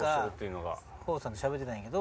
方正さんとしゃべってたんやけど。